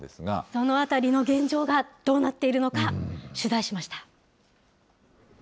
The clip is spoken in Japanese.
そのあたりの現状がどうなっているのか、取材しました。